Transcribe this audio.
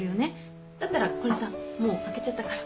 だったらこれさもう開けちゃったから。